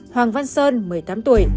hoàng văn sơn một mươi tám tuổi